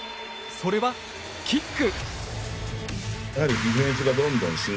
それはキック。